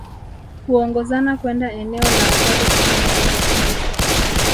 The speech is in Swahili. Huongozana kwenda eneo la ajali kufanya kumbukumbu